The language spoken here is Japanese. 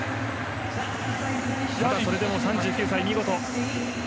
それでも３９歳、見事。